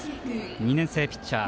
２年生ピッチャー。